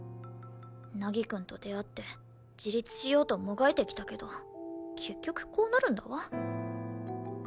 凪くんと出会って自立しようともがいてきたけど結局こうなるんだわ。